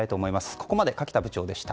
ここまで垣田部長でした。